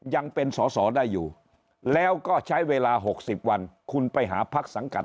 ยังเป็นสอสอได้อยู่แล้วก็ใช้เวลา๖๐วันคุณไปหาพักสังกัด